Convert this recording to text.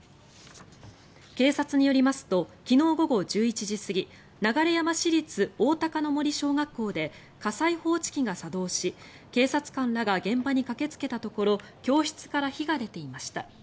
警察によりますと昨日午後１１時過ぎ流山市立おおたかの森小学校で火災報知機が作動し警察官らが現場に駆けつけたところ教室から火が出ていました。